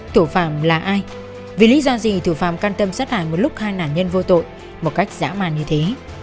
thủ phạm là ai vì lý do gì thủ phạm quan tâm sát hại một lúc hai nạn nhân vô tội một cách dã màn như thế